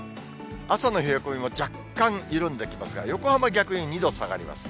朝の冷え込みも若干緩んできますが、横浜、逆に２度下がります。